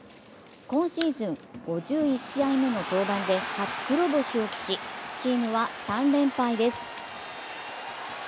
今シーズン５１試合目の登板で初黒星を喫しチームは３連敗です。